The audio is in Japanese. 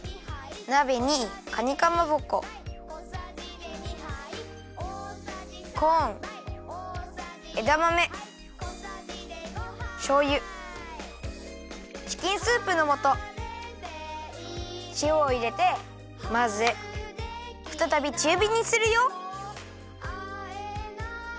なべにかにかまぼこコーンえだまめしょうゆチキンスープのもとしおをいれてまぜふたたびちゅうびにするよ。